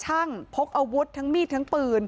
ช่องบ้านต้องช่วยแจ้งเจ้าหน้าที่เพราะว่าโดนฟันแผลเวิกวะค่ะ